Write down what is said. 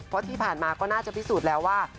เพราะที่ผ่านมาก็น่าจะพิสูจน์แล้วว่า